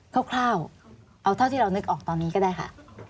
คร่าวเอาเท่าที่เรานึกออกตอนนี้ก็ได้ค่ะ